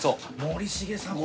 森繁さん。